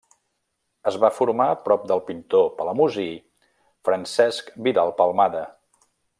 Es va formar prop del pintor palamosí Francesc Vidal Palmada.